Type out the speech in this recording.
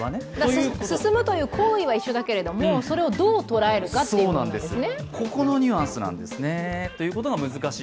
進むという行為は一緒だけれども、それをどう捉えるかということなんですね。